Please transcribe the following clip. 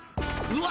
うわ！